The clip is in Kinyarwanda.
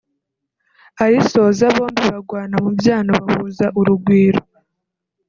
arisoza bombi bagwana mu byano bahuza urugwiro